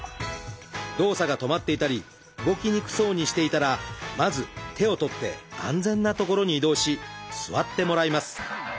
動作が止まっていたり動きにくそうにしていたらまず手をとって安全な所に移動し座ってもらいます。